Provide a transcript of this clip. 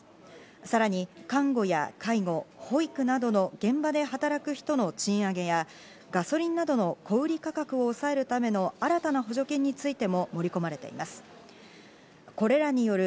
さらに看護や介護、保育などの現場で働く人の賃上げや、ガソリンなどの小売価格を抑えるための新たな補助金についても盛り込まれています。